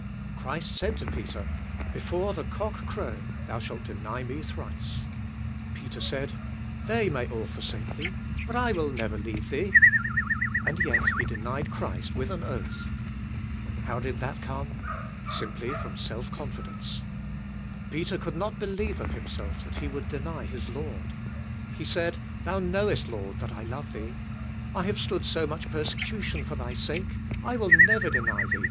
Christ said to Peter, '* Before the cock shall crow, thou shalt deny me thrice/' Peter said, "They may all forsake Thee but I will never leave Thee," and yet he denied Christ with an oath. How did that come? Simply from self confidence. Peter could not believe of himself that he would deny his Lord. He said, "Thou knowest Lord that I love Thee. I have stood so much persecution for Thy sake. I will never deny Thee.